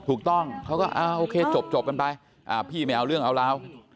ถูกต้องเขาก็อ่าโอเคจบจบกันไปอ่าพี่ไม่เอาเรื่องเอาแล้ว